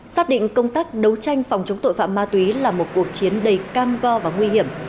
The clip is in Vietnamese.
xác định công tác đấu tranh phòng chống tội phạm ma túy là một cuộc chiến đầy cam go và nguy hiểm